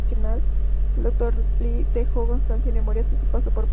El doctor Dee dejó constancia en sus memorias de su paso por Praga.